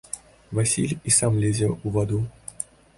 Васіль і сам лезе ў ваду.